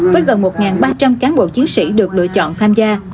với gần một ba trăm linh cán bộ chiến sĩ được lựa chọn tham gia